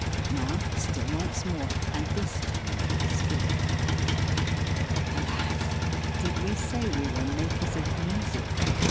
Now, still once more, and this time, speak. Alas! did we say we were "makers of music"?